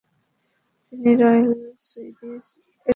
তিনি Royal Swedish Academy of সায়েন্স-এর বিদেশী সদস্য নির্বাচিত হন।